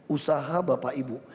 usaha bapak ibu